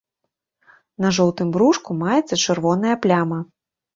На жоўтым брушку маецца чырвоная пляма.